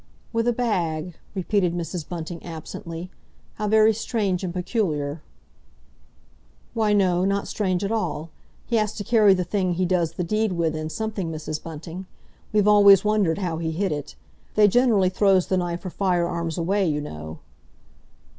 '" "With a bag?" repeated Mrs. Bunting absently. "How very strange and peculiar—" "Why, no, not strange at all. He has to carry the thing he does the deed with in something, Mrs. Bunting. We've always wondered how he hid it. They generally throws the knife or fire arms away, you know."